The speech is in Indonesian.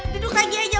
duduk lagi aja